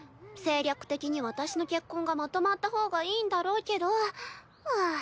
政略的に私の結婚がまとまった方がいいんだろうけどはぁ